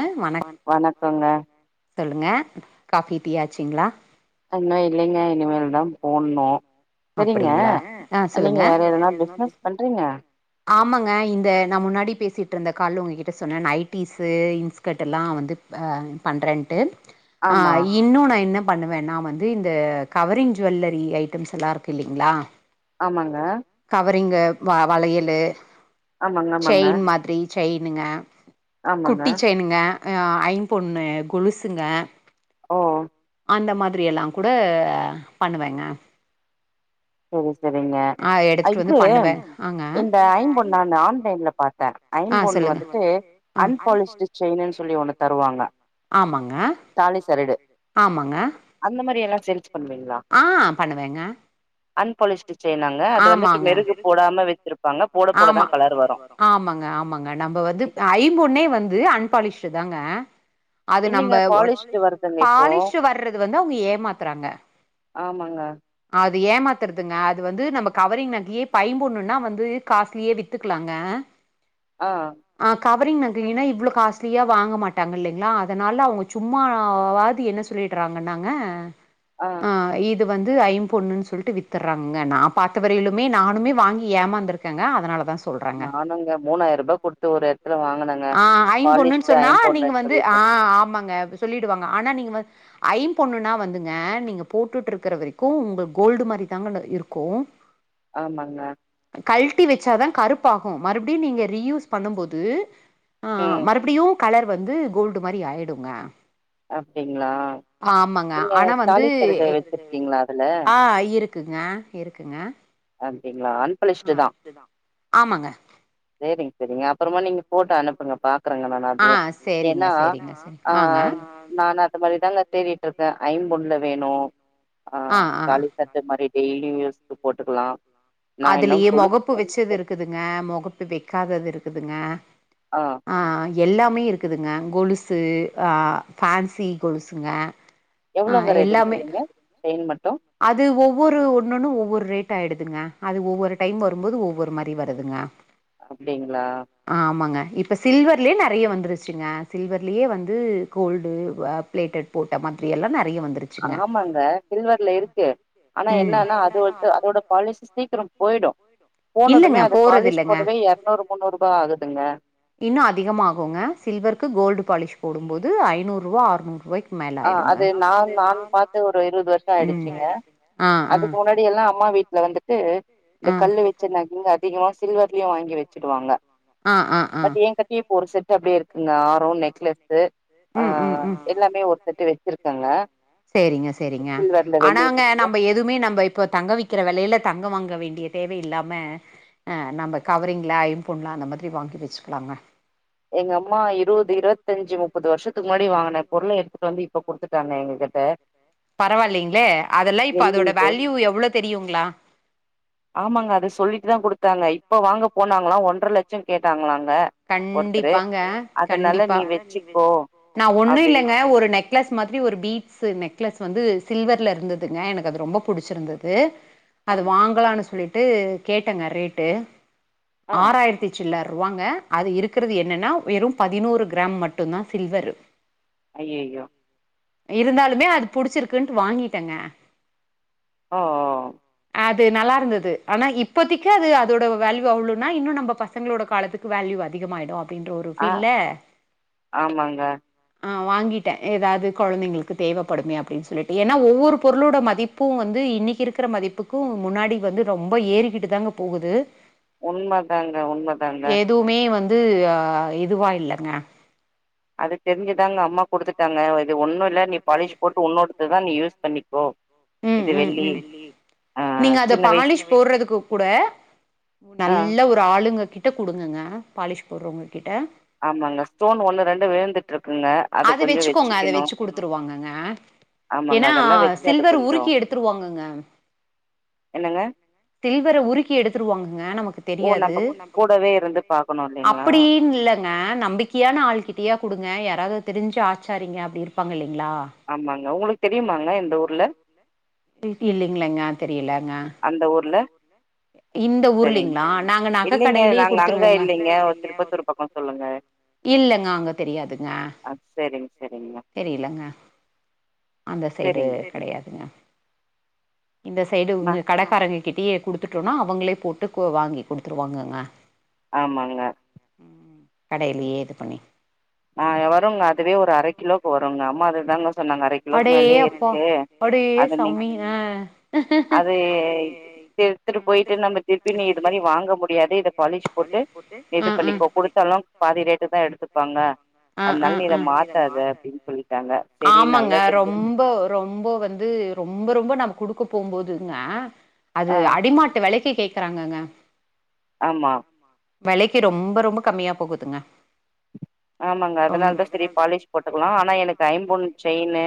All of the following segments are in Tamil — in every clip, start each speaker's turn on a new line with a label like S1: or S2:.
S1: ம் வணக்கம் வணக்கங்க சொல்லுங்க காபி டீ ஆச்சுங்ளா
S2: இன்னும் இல்லைங்க இனிமேல் தான் போடனும் சேரிங்க
S1: அப்டிங்களா ஆ
S2: நீங்க
S1: சொல்லுங்க
S2: வேற எதனா பிஸ்னஸ் பண்றீங்க
S1: ஆமாங்க இந்த நான் முன்னாடி பேசிட்டு இருந்த கால்ல உங்ககிட்ட சொன்னேன் நைட்டிஸு இன்ஸ் கட்டெல்லாம் வந்து பண்றேன்ட்டு
S2: ஆமா
S1: ஆஹ இன்னும் நான் என்ன பண்ணுவேன்னா வந்து இந்த கவரிங் ஜவல்லரி ஐட்டம்ஸ் எல்லாம் இருக்கும் இல்லைங்களா
S2: ஆமாங்க
S1: கவரிங்கு வ வளையலு
S2: ஆமாங்க ஆமாங்க
S1: செயின் மாதிரி செயினுங்க
S2: ஆமாங்க
S1: குட்டி செய்யினுங்க ஐம் பொண்ணு கொலுசுங்க
S2: ஓ
S1: அந்த மாதிரி எல்லாம் கூட பண்ணுவேங்க
S2: ஓ சேரி சேரிங்க
S1: ஆ எடுத்துட்டு
S2: இது
S1: வந்து பண்ணுவே ஆங்க
S2: இந்த ஐம்பொன் நான் ஆன்லைன்ல பாத் த
S1: ஆ
S2: ஐம்பொண்ணு
S1: சொல்லுங்க
S2: வந்துட்டு
S1: ஆ
S2: அன்பாலிஸ்டு செயினுன்னு சொல்லி ஒண்ணு தருவாங்க
S1: ஆமாங்க தாலி சரடு ஆமாங்க
S2: அந்த மாரி எல்லாம் சேல்ஸ் பண்ணுவீங்களா
S1: ஆ பண்ணுவேங்க
S2: அன்பாலிஷ்டு செய்யினுங்க அது வந்துட்டு
S1: ஆமாங்க
S2: மெருகு போடாம வச்சிருப்பாங்க போட
S1: ஆமா
S2: போடதான் கலர் வரும்
S1: ஆமாங்க ஆமாங்க நம்ம வந்து ஐம்பொன்னே வந்து அன்பாலிஷ்டு தாங்க அது நம்ப
S2: இல்லைங்க பாலிஷ்டு
S1: பாலீஸ்டு
S2: வருதுங்க இப்போ
S1: பாலிஸ் வர்றது வந்து அவங்க ஏமாத்துறாங்க
S2: ஆமாங்க
S1: அது ஏமாத்திரதுங்க அது வந்து நம்ம கவரிங் நகையே இப்ப ஐமபொண்ணுனா வந்து காஸ்ட்லியே வித்துக்லாங்க
S2: ஆஹ்
S1: அ கவரிங் நகைனா இவ்ளோ காஸ்ட்லியா வாங்க மாட்டாங்க இல்லைங்களா அதனால அவங்க சும்மாவது என்ன சொ சொல்லிடுறாங்க நாங்க
S2: ஆஹ்
S1: அ இது வந்து ஐம்பொண்ணு சொல்லிட்டு வித்துறாங்கங்க நா பாத்த வரையிலுமே நானுமே வாங்கி ஏமாந்துருக்கேங்க அதனால தான் சொல் சொல்றேங்க
S2: நானுங்க மூணாயிர ரூபா குடுத்து ஒரு எடத்துல வாங்குனங்க.
S1: ஆ ஐம்பொண்ணு
S2: பாலிஷ்டு
S1: சொன்னா நீங்க
S2: ஐம்பொன்னுன்னு
S1: வந்து
S2: சொல்லிட்டு
S1: ஆ ஆமாங்க சொல்லிடுவாங்க ஆனா நீங்க வ ஐம்பொண்ணுன்னா வந்துங்க நீங்க போட்டுட்டு இருக்கற வரைக்கும் உங்க கோல்டு மாதிரி தாங்க இருக்கும்
S2: ஆமாங்க
S1: கழட்டி வச்சாதான் கருப்பாகும் மறுபடியும் நீங்க ரீயூஸ் பண்ணும்போது ஆ
S2: ம்
S1: மறுபடியு கலர் வந்து கோல்டு மாரி ஆயிடுங்க
S2: அப்டிங்களா?
S1: ஆமாங்க
S2: நீங்க
S1: ஆனா வந்து
S2: தாலிசரடு வச்சிருக்கீங்களா அதுல?
S1: ஆ இரு க்குங்க இருக்குங்க
S2: அப்டிங்களா அன்
S1: ஆமாங்க
S2: சேரிங் சேரிங்க அப்புறமா நீங்க போட்டு அனுப்புங்க பாக்கறங்க
S1: ஆ
S2: மேம்
S1: சேரிங்க
S2: ஏன்னா
S1: சேரிங்க சரி
S2: ஆ
S1: ஆங்க
S2: நானு அது மாதிரிதாங்க தேடிட்ருக்கே ஐம்பொண்ல வேணு ஆ தாலி அந்த மாரி டெய்லி யூஸ்கு போட்டுக்கலா
S1: அதுலயே மொகப்பு வெச்சது இருக்குதுங்க மொகப்பு வெக்காதது இருக்குதுங்க
S2: ஆ
S1: அ எல்லாமே இருக்குதுங்க கொலுசு அ ஃபேன்சி கொலுசுங்க ஆ
S2: எவ்வளவுங்க ரேட்
S1: எல்லாமே
S2: விக்குறீங்க செயின் மட்டும்
S1: அது ஒவ்வொரு ஒண்ணுன்னு ஒவ்வொரு ரேட் ஆயிடுதுங்க அது ஒவ்வொரு டைம் வரும்போது ஒவ்வொரு மாரி வருதுங்க
S2: அப்படிங்ளா
S1: ஆமாங்க இப்ப சில்வர்லயே நெறைய வந்துருச்சுங்க சில்வர்லயே வந்து கோல்டு அ பிளேட்டட் போட்ட மாதிரி எல்லா நெறைய வந்திருக்
S2: ஆமாங்க சில்வர்ல இருக்கு ஆனா
S1: ம்.
S2: என்னன்னா அது வத்து அதோட பாலிஷ் சீக்கிரம் போயிடு போனதுமே
S1: இல்லங்க
S2: அது
S1: போறது
S2: பாலிஷ்
S1: இல்லங்க
S2: போடவே எற்நூறு முன்னூறுரூபா ஆகுதுங்க
S1: இன்னு அதிகமாகுங்க சில்வருக்கு கோல்டு பாலிஷ் போடும்போது ஐநூறுரூவா ஆற்நூறு ரூவாய்க்
S2: ஆ அது நான் நான் பாத்து ஒரு இருவது வர்ஷோ
S1: ம்.
S2: ஆயிடுச்சுங்க
S1: ஆ ஆ
S2: அதுக்கு
S1: வாங்கிட்டு.
S2: முன்னாடி எல்லா அம்மா வீ ட்ல வந்துட்டு இந்த கல்லு
S1: ஆ
S2: வச்சிருந்தாக் அதிகமா சில்வர்லயு வாங்கி வெச்சுடுவாங்க
S1: ஆ ஆ ஆ.
S2: பட் எ கட்டி இப்ப ஒரு செட்டு அப்படியே இருக்குங்க ஆறோ நெக்லஸ்சு ஆ
S1: ம் ம் ம்.
S2: எல்லாமே ஒரு செட்டு வெச்சிருக்காங்க
S1: சேரிங்க சேரிங்க ஆனாங்க நம்ப எது எதும்மே நம்ப இப்ப தங்க விக்கிற வெலையில தங்க வாங்க வேண்டிய தேவை இல்லாம ஆ நம்ப கவரிங்ல ஐம்பொன்ல அந்த மாதிரி வாங்கி வெச்சுக்கலாங்க
S2: எங்க அம்மா இருவது இருவத்தஞ்சு முப்பது வருஷத்துக்கு முன்னாடி வாங்குன பொருள எடுத்துட்டு வந்து இப்ப குடுத்துட்டாங்க எங்க கிட்ட
S1: பரவாலிங்ளே அதெல்லா இப்ப
S2: வெள்ளி
S1: அதோட வேல்யூ எவ்ளோ தெரியுங்ளா
S2: ஆமாங்க அத சொல்லிட்டு தா குடுத்தாங்க இப்ப வாங்க போனாங்களா ஒன்ற லட்ச கேட்டாங்களாங்க ஒருத்தரு.
S1: கண்டிப்பாங்க
S2: அதனால
S1: கண்டிப்பா
S2: நீ வச்சுக்கோ
S1: நா ஒன்னு
S2: அப்டின்னு
S1: இல்லைங்க ஒரு நெக் நெக்லஸ் மாதிரி ஒரு பீட்ஸ் நெக்லஸ் வந்து சில்வர்ல இருந்ததுங்க எனக்கு அது ரொம்ப புடிச்சிருந்தது அத
S2: ஆ
S1: வாங்கலான்னு சொல்லிட்டு கேட்டேங்க ரேட்டு
S2: ஆ
S1: ஆறாயிரத்தி சில்லர் ரூவாங்க அது இருக்கிறது என்னன்னா வெறும் பதினோரு கிராம் மட்டு தா சில்வர்
S2: ஐயய்யோ
S1: இருந்தாலுமே அது புடிச்சிருக்குன்ட்டு வாங்கிட்டங்க
S2: ஓ
S1: ஹ அது நல்லா இருந்தது ஆனா இப்போதிக்கு அது அதோட வேல்யூ அவ்ளுன்னா இன்னு நம்ம பசங்களோட காலத்துக்கு வேல்யூ அ திகமாயிடு அப்படின்ற ஒரு
S2: ஆ
S1: ஃபீல்ல
S2: ஆமாங்க.
S1: ஆ வாங்கிட்டே எதாவ்து கொழந்தைங்களுக்கு தேவப்படுமே அப்டின் சொல்லிட்டு ஏன்னா ஒவ்வொரு பொருளோட மதி ப்பூ வந்து இன்னிக்கி இருக்கிற மதிப்புக்கு முன்னாடி வந்து ரொம்ப ஏறிக்கிட்டு தாங்க போகுது
S2: உண்மதாங்க, உண்மதாங்க.
S1: எதுவுமே வந்து ஆ இதுவா இல்லங்க
S2: அது தெரிஞ்சுதாங்க அம்மா குடுத்துட்டாங்க இது ஒன்னு இல்ல நீ பாலிஷ் போட்டு ஒன்னோடுத்துதா நீ யூஸ் பண்ணிக்கோ
S1: ம்,
S2: இது
S1: ம்,
S2: வெள்ளி
S1: இந்த ம்.
S2: ஆ
S1: நீங்க அத
S2: சின்ன வயசு
S1: பாலிஷ் போற்றதுக்கு கூட
S2: ஆ
S1: நல்ல ஒரு ஒரு ஆளுங்க கிட்ட குடுக்கக்கூடிய பாலிஷ் போடுறவங்க கிட்ட
S2: ஆமாங்க ஸ்டோன் ஒண்ணு ரெண்டு விழுந்துட்ருக்குங்க
S1: அது வச்சுக்கோங்க அத வச்சு குடுத்துருவாங்கங்க
S2: ஆமாங்க
S1: ஏனா
S2: அதெல்லாம் வச்சு அது
S1: சில்வர்
S2: கொஞ்சம்
S1: உருக்கி எடுத்துருவாங்கங்க
S2: என்னங்க
S1: சில்வர உருக்கி எடுத்துருவாங்கங்க நமக்கு
S2: ஓ!
S1: தெரியாது
S2: நம்ப கூடவே இருந்து பாக்கணும் இல்லைங்களா?
S1: அப்புடின் இல்ல ங்க நம்பிக்கையான ஆள்கிட்டயா குடுங்க யாராவது தெரிஞ்சு ஆச்சாரீங்க அப்டி இருப்பாங்க இல்லிங்ளா
S2: ஆமாங்க உங்களுக்கு தெரியுமாங்க இந்த ஊர்ல
S1: டிகி இல்லைங்ளங்கா தெரியலங்க
S2: அந்த ஊர்ல
S1: குடுங்க இந்த
S2: சரிங்க.
S1: ஊர்லலிங்ளா நாங்க நக
S2: இல்லைங்க.
S1: கடைலே
S2: நாங்க அங்க
S1: குடுத்துருவோங்க
S2: இல்லைங்க. திருப்பத்தூர் பக்கம் சொல்லுங்க.
S1: இல்லங்க அங்க தெரியாதுங்க
S2: அ சேரிங் சேரிங்மா
S1: தெரியலங்க அந்த சைடு
S2: சரிங்க.
S1: கிடையாதுங்க இந்த சைடு
S2: நா
S1: உங்க கடக்காரரு கிட்டேயே குடுத்துட்டோனா அவங்களே போட்டு கோ வாங்கி கொடுத்துருவாங்கங்க
S2: ஆமாங்க
S1: கடையிலியே இது பண்ணி
S2: ஆ எவருங்க அதுவே ஒரு அரை கிலோக்கு வருங்க அம்மா அதுதாங்க சொன்னாங்க அரை கிலோக்கு
S1: அடே
S2: மேலேயே
S1: அப்பா
S2: இருக்கு
S1: மேலயே அடே
S2: அது நீ
S1: சாமி ஆ அப்படின்னாங்க.
S2: அது எடுத்துட்டு போயிட்டு நம்ம திருப்பி நீ இது மாரி வாங்க முடியாது இத பாலிஷ் போட்டு இது பண்ணிக்கோ குடுத்தாலு பாதி ரேட்டு தா எடுத்துப்பாங்க அத்னால் நீ இத
S1: அதனால
S2: மாத்தாத அப்டின் சொல்லிட்டாங்க சேரி
S1: ஆமாங்க
S2: நல்லது
S1: ரொம்ப ரொம்ப வந்து ரொம்ப ரொம்ப நம்ம குடுக்க போம்போதுங்க அது
S2: ஆ
S1: அடிமாட்டு வெலக்கி கேக்குறாங்கங்க
S2: ஆமா
S1: வெலக்கி ரொம்ப ரொம்ப கம்மியா போகுதுங்க
S2: ஆமாங்க அதனால்தா சரி பாலிஷ் போட்டுக்கிலா ஆனா எனக்கு ஐம்பொன் செயினு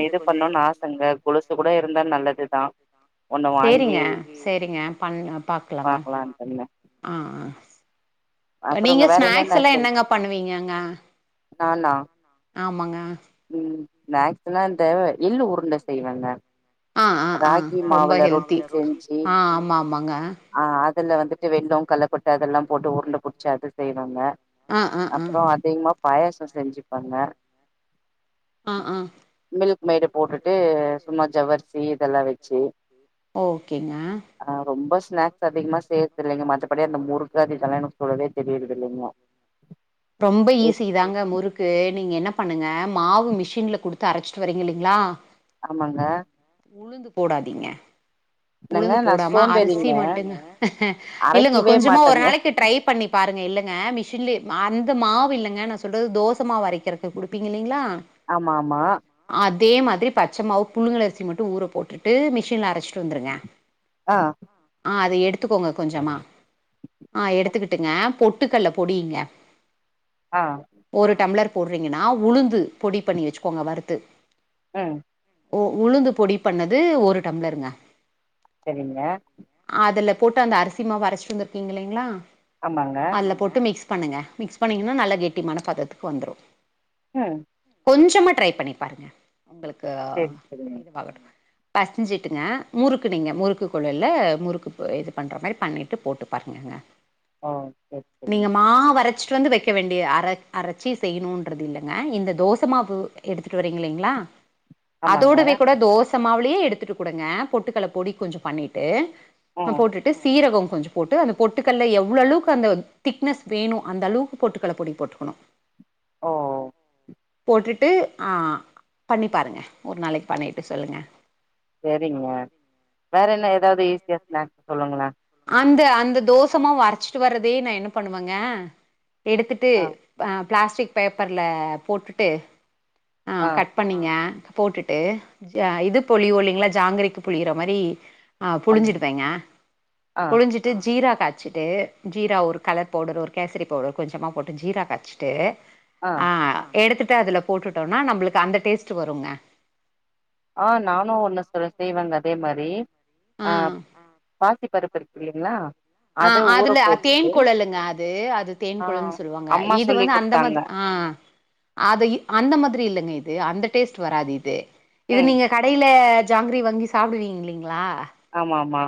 S1: அது கொஞ்ச இது பண்ணனுனு ஆசங்க கொலுசு கூட இருந்தா நல்லதுதா
S2: ஒண்ணு வாங்கி
S1: சேரிங்க சேரிங்க பண்ண பாக்லாங்க
S2: பாக்கலான்ட்டு இருந்தேன்
S1: நீங்க
S2: அப்புறங்க வேற
S1: ஸ்நாக்ஸ்
S2: என்னென்ன
S1: எல்லா
S2: செஞ்சு
S1: என்னங்க பண்ணுவீங்கங்க
S2: நானா
S1: ஆமாங்க
S2: ம் ஸ்நேக்ஸுலா தேவ எள்ளு உருண்ட செய்வங்க
S1: ஆ ஆ ஆ
S2: ராகி
S1: ரொம்ப
S2: மாவுல
S1: ஹெல்தி
S2: ரொட்டி செஞ்சு
S1: ஆ ஆமா ஆமாங்க
S2: ஆ அதுல வந்துட்டு வெள்ள கல்லக்கொட்ட அதெல்லா போட்டு உருண்ட புடிச்சு அது செய்வங்க
S1: ஆ ஆ ஆ
S2: அப்புற அதிகமா பாயச செஞ்சுப்பங்க
S1: ஆ ஆ
S2: மில்க் மைடு போட்டுட்டு சும்மா ஜவ்வரிசி இதெல்லா வெச்சு
S1: ஓகேங்க
S2: ஆ ரொம்ப ஸ்நாக்ஸ் அதிகமா செய்றது இல்லைங்க மத்தபடி அந்த முறுக்கு அது இதெலா எனக்கு சுடவே தெரியற்தில்லைங்க
S1: ரொம்ப ஈஸி தாங்க முறுக் து நீங்க என்ன பண்ணுங்க மாவு மிஷின்ல குடுத்து அரைச்சிட்டு வரீங்க இல்லிங்ளா
S2: ஆமாங்க
S1: உளுந்து போடாதீங்க
S2: என்னங்க
S1: உளுந்து
S2: நா
S1: போடாம அரிசி
S2: சோம்பேறிங்க
S1: மட்டும்ங்க இல்லங்க
S2: அரைக்கவே
S1: கொஞ்சமா ஒரு
S2: மாட்டேங்க
S1: நாளைக்கு ட்ரை பண்ணி பாருங்க இல்லைங்க மிஷின்லே அந்த மாவு இல்லங்க நா சொல்றது தோசமாவு அரைக்கறதுக்கு குடுப்பீங்க இல்லிங்களா
S2: ஆமாமா
S1: அதே மாதிரி பச்ச மாவு புழுங்கல் அரிசி மட்டு ஊற போட்டுட்டு மிஷின்ல அரச்சிட்டு வந்துருங்க
S2: ஆ
S1: ஆ அத எடுத்துக்கோங்க கொஞ்சமா ஆ எடுத்துக்கிட்டுங்க பொட்டுக்கல்ல பொடிங்க
S2: ஆ
S1: ஒரு டம்ளர் போடுறீங்கன்னா உளுந்து பொடி பண்ணி வச்சுக்கோங்க வறுத்து
S2: ம்
S1: ஓ உளுந்து பொடி பண்ணது ஒரு டம்ளர்ங்க
S2: செரிங்க
S1: அதுல போட்டு அந்த அரிசி மாவு அரைச்சுட்டு வந்திருக்கில்லைங்களா
S2: ஆமாங்க
S1: அதுல போட்டு மிக்ஸ் பண்ணுங்க மிக்ஸ் பண்ணிங்ன்னா நல்ல கெட்டிமான பதத்துக்கு வந்துரு
S2: ம்
S1: கொஞ்சமா ட்ரை பண்ணி பாருங்க உங்களுக்கு
S2: சரி சரிங்க
S1: இதுவாகட்டு பேசஞ்சிட்டுங்க முறுக்கு நீங்க முறுக்கு குழல்ல முறுக்கு இது பண்ற மாரி பண்ணிட்டு போட்டு பாருங்கங்க
S2: ஓ சரி சரிங்க
S1: நீங்க மாவரச் சுட்டு வந்து வக்க வேண்டிய அர அரச்சு செய்யணுன்றது இல்லங்க இந்த தோசமாவு எடுத்துட்டு வரிங்கில்லைங்களா
S2: ஆமாங்க
S1: அதோடவே கூட தோசமாவளயே எடுத்துட்டு கொடுங்க பொட்டுக்கள பொடி கொஞ்ச பண்ணிட்டு ந
S2: ம்
S1: போட்டுட்டு சீரகம் கொஞ்ச போட்டு அந்த பொட்டுக்கல்ல எவ்ளவுக்கு அந்த திக்னஸ் வேணு அந்த அளவுக்கு போட்டுக்கல்ல பொடி போட்டுக்கணு
S2: ஓ
S1: போட்டுட்டு ஆ பண்ணி பாருங்க ஒரு நாளைக்கு பண்ணிட்டு சொல்லுங்க
S2: செரிங்க வேற என்ன ஏதாவது ஈஸியா ஸ்நாக்ஸ் சொல்லுங்களே
S1: அந்த அந்த தோசமாவு அரைச்சிட்டு வரதே நா என்ன பண்ணுவேங்க எடுத்துட்டு ஆ பிளாஸ்டிக் பேப்பரல போட்டுட்டு ஆ கட் பண்ணீங்க போட்டுட்டு இது பொழிவோல்லைங்களா ஜாங்கிரிக்கு புழியற மாரி ஆ
S2: ஆமா
S1: புழிஞ்சுருவேங்க
S2: ஆ
S1: ழிஞ்சிட்டு ஜீரா காச்சிட்டு ஜீரா ஒரு கலர் பவுடர் ஒரு கேசரி பவுடர் கொஞ்சமா போட்டு ஜீரா காச்சிட்டு ஆ எடுத்துட்டு அதுல போட்டுட்டோனா நம்மளுக்கு அந்த டேஸ்ட் வரும்ங்க
S2: ஆ நானும் ஒன்னு சொல் செய்வங்க அதே மாரி ஆ பாசி பருப்பு இல்லைங்களா
S1: ஆ
S2: அத ஊற
S1: அதுல தேன்
S2: போட்டுட்டு
S1: குழலுங்க அது அது தேன்
S2: ஆ
S1: குழல் சொல்லுவாங்க
S2: அம்மா
S1: இது
S2: சொல்லி
S1: வந்து அந்த
S2: குடுத்தாங்க
S1: மாதி ஆ அத இப் அந்த மாதிரி இல்லைங்க இது அந்த டேஸ்ட் வராது இது இது
S2: ம்
S1: நீங்க கடையில ஜாங்கிரி வாங்கி சாப்பிடுவீங்க இல்லிங்களா
S2: ஆமா ஆமா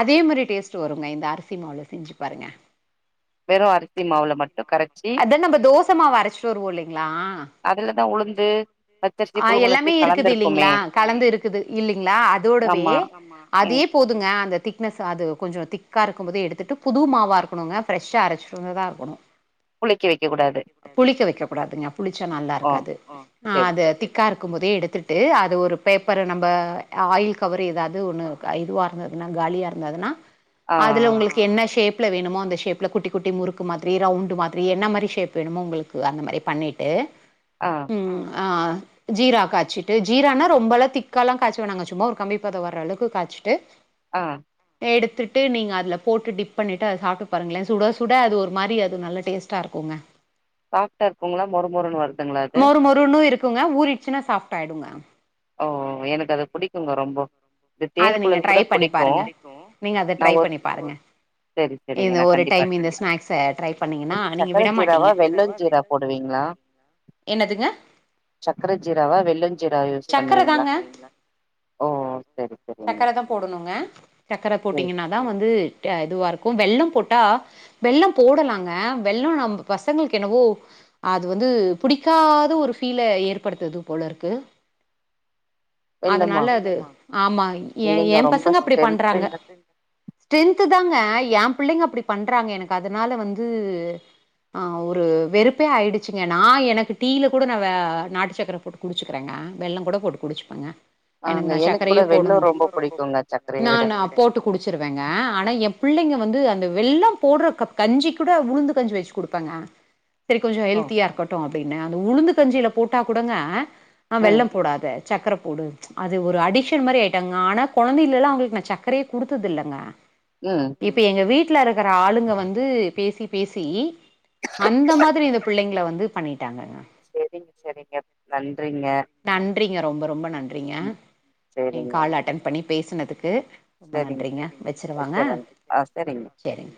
S1: அதே மாரி டேஸ்ட் வருங்க இந்த அரிசி மாவுல செஞ்சு பாருங்க
S2: வெறு அரிசி மாவுள மட்டு கரச்சு
S1: அதா நம்ப தோசமாவு அரச்சிட்டு வருவோ இல்லைங்களா
S2: அதுலதா உளுந்து பச்சரிசி
S1: ஆ
S2: புழுங்கலரிசி
S1: எல்லாமே இருக்குது
S2: கலந்துருக்குமே
S1: இல்லிங்களா கலந்து இருக்குது இல்லிங்களா அதோடவே
S2: ஆமா
S1: அதே
S2: ம்
S1: போதுங்க அந்த திக்னஸ் அது கொஞ்சோ திக்கா இருக்கு போதே எடுத்துட்டு புதுவ மாவா இருக்கணுங்க ஃப்ரெஷ்ஷா அரைச்சிட்டு வந்ததா இருக்கணு
S2: புளிக்க வைக்க கூடாது
S1: புளிக்க வைக்க கூடாதுங்க புளிச்சா நல்லா
S2: ஓ
S1: இருக்காது ஆ
S2: செரி
S1: அது
S2: செரி
S1: திக் க்கா இருக்கு போதே எடுத்துட்டு அது ஒரு பேப்பர நம்ப ஆயில் கவரு எதாவுது ஒன்னு இதுவா இருந்ததுன்னா காலியா இருந்ததன்னா
S2: ஆ
S1: அதுல உங்களுக்கு என்ன ஷேப்ல வேணுமோ அந்த ஷேப்ல குட்டி குட்டி முறுக்கு மாதிரி ரவுண்டு மா திரி என்ன மாரி ஷேப் வேணுமோ உங்களுக்கு அந்த மாரி பண்ணிட்டு
S2: ஆ
S1: ம் ஆ ஜீரா காச்சிட்டு ஜீரான்னா ரொம்பெல்லா திக்கா எல்லா காச்ச வேணாங்க சும்மா ஒரு கம்பிப்பதோ வர்ற அளவுக்கு காச்சிட்டு
S2: ஆ
S1: எடுத்துட்டு நீங்க அதுல போட்டு டிப் பண்ணிட்டு அத சாப்ட்டு பாருங்களே சுட சுட அது ஒரு மாரி அது நல்ல டேஸ் ட்டா இருக்குங்க
S2: சாஃப்ட்டா இருக்குங்ளா மொறு மொறுன்னு வரு
S1: மொறு மொறுன்னு இருக்குங்க ஊறிடுச்சுன்னா சாஃப்ட் ஆயிடுங்க
S2: ஓ எனக்கு அது புடிக்குங்க ரொம்போ இது
S1: அத
S2: தேன்
S1: நீங்க
S2: குழல்
S1: ட்ரை
S2: கூட
S1: பண்ணிப்
S2: புடிக்கு
S1: பாருங்க நீங்க அத
S2: நா
S1: ட்ரை
S2: ஒரு
S1: பண்ணிப் பாருங்க
S2: செரி செரிங்க
S1: இந்த
S2: நா
S1: ஒரு
S2: கண்டிப்பா
S1: டைம்
S2: ட்ரை
S1: இந்த ஸ்நாக்ஸ்ச ட்ரை பண்ணீங்கன்னா
S2: பண்றே
S1: நீங்க
S2: சக்கர
S1: விட
S2: ஜீராவா
S1: மாட்டீங்க
S2: வெள்ளஞ்சீரா போடுவீங்களா
S1: என்னதுங்க
S2: சக்கர ஜீராவா வெல்லஞ் ஜீராவ யூஸ்
S1: சக்கர
S2: பண்ணுவீங்ளா
S1: தாங்க
S2: ஓ செரி செரிங்க
S1: சக்கர தா போடணுங்க சக்கர
S2: செரி
S1: போட்டீங்கன்னா தா வந்து க இதுவா இருக்கு வெல்லோ போட்டா வெல்லம் போடலாங்க வெல்லோ நம்ம பசங்களுக்கு என்னவோ அது வந்து புடிக்காத ஒரு ஃபீல ஏற்படுத்துது போல இருக்கு அதனால
S2: வெல்லமா
S1: அது ஆமா ஏ
S2: இல்லைங்க
S1: ஏம்
S2: ரொம்ப
S1: பசங்க அப்டி பண்றாங்க
S2: ஸ்ட்ரென்த்துங்க
S1: ஸ்ட்ரென்த் தாங்க ஏ பிள்ளைங்க அப்டி பண்றாங்க எனக்கு அதனால வந்து ஆ ஒரு வெறுப்பே ஆயிடுச்சுங்க நா எனக்கு டீயில கூட நா வெ நாட்டு சக்கர போட்டு குடிச்சுக்குறேங்க வெல்லோ கூட போட்டு குடிச்சுப்பேங்க
S2: ஆங்க
S1: நா
S2: எனக்கு கூட
S1: சக்கரையே போடணு
S2: வெல்லோ ரொம்ப புடிக்குங்க சக்கரய விட
S1: நானு போட்டு குடிச்சிருவேங்க ஆனா ஏ புள்ளைங்க வந்து அந்த வெல்லோ போடுற க கஞ்சி கூட உளுந்து கஞ்சி வச்சு குடுப்பங்க சரி கொஞ்சோ
S2: ஓ
S1: ஹெல்த்தியா இருக்கட்டு அப்டின்னு அந்த உளுந்து கஞ்சியில போட்டா கூடங்க ஆ
S2: ம்
S1: வெல்லோ போடாத சக்கர போடு அது ஒரு அடிக்ஷ ஷன் மாரி ஆயிட்டாங்க ஆனா கொழந்தைலெல்லா அவுங்களுக்கு நா சக்கரயே குடுத்தது இல்லேங்க
S2: ம்
S1: இப்ப எங்க வீட்ல இருக்குற ஆளுங்க வந்து பேசி பேசி அந்த மாதிரி இந்த பிள்ளைங்கள வந்து பண்ணிட்டாங்க
S2: செரிங்க செரிங்க நன்றிங்க
S1: நன்றிங்க ரொம்ப ரொம்ப நன்றிங்க
S2: ம்
S1: எங்
S2: சரிங்க
S1: கால அட்டன் பண்ணி பேசுனதுக்கு ரொம்ப
S2: சரிங்க
S1: நன்றிங்க வெச்சுரவாங்க
S2: வச்சறேங்க ஆ சரிங்க
S1: செரிங்க